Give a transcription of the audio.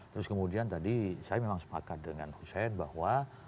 terus kemudian tadi saya memang sepakat dengan husein bahwa